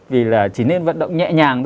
vì là chỉ nên vận động nhẹ nhàng